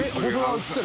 写ってる。